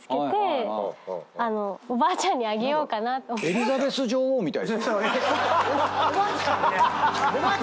エリザベス女王みたい。